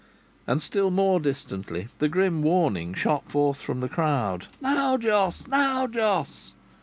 And still more distantly the grim warning shot forth from the crowd: "Now, Jos! Now, Jos!"